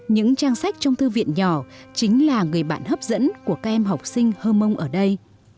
những trang sách trong thư viện nhỏ chính là người bạn hấp dẫn của các em học sinh hơ mông ở đây